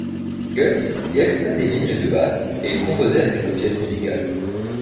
Gus y ajouta des lignes de basse et ils composèrent quelques pièces musicales.